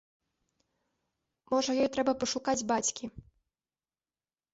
Можа ёй трэба пашукаць бацькі.